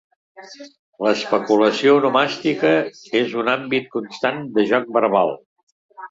L'especulació onomàstica és un àmbit constant de joc verbal.